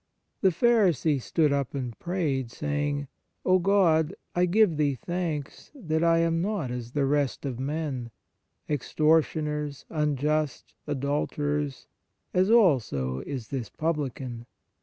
The Pharisee stood up and prayed, saying :" O God, I give Thee thanks that I am not as the rest of men, extortioners, unjust, adul terers, as also is this publican.